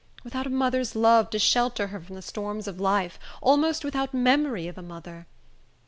Without a mother's love to shelter her from the storms of life; almost without memory of a mother!